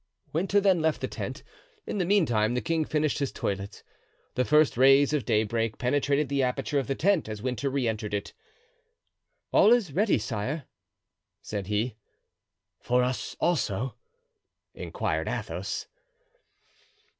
Winter then left the tent; in the meantime the king finished his toilet. The first rays of daybreak penetrated the aperture of the tent as Winter re entered it. "All is ready, sire," said he. "For us, also?" inquired Athos.